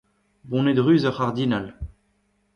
boned ruz ur c'hardinal